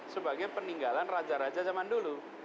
sebagai peninggalan raja raja zaman dulu